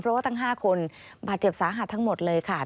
เพราะว่าทั้ง๕คนบาดเจ็บสาหัสทั้งหมดเลยค่ะ